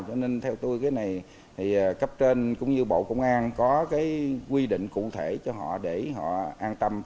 cho nên theo tôi cái này thì cấp trên cũng như bộ công an có cái quy định cụ thể cho họ để họ an tâm